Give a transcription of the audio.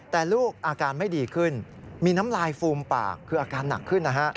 แต่ลูกอาการไม่ดีขึ้นมีน้ำลายฟูมปากคืออาการหนักขึ้นนะฮะ